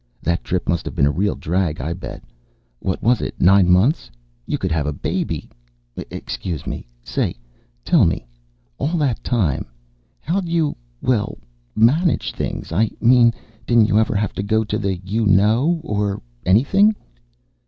That trip must have been a real drag, I bet. What is it, nine months? You couldn't have a baby! Excuse me Say, tell me. All that time, how'd you well, manage things? I mean didn't you ever have to go to the you know or anything?"